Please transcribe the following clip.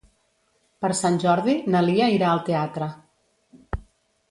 Per Sant Jordi na Lia irà al teatre.